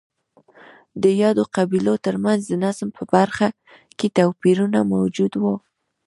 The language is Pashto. د یادو قبیلو ترمنځ د نظم په برخه کې توپیرونه موجود وو